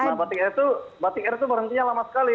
nah batik air itu berhentinya lama sekali